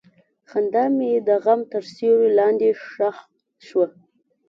خندا مې د غم تر سیوري لاندې ښخ شوه.